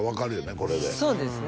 これでそうですね